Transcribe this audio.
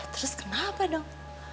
terus kenapa dong